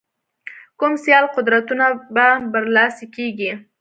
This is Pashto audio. کوم سیال قدرتونه به برلاسي کېږي.